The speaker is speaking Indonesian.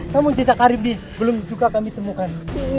namun jejak aribi belum juga kami temukan